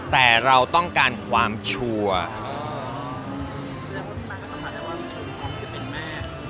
แต่เราต้องการความช่วง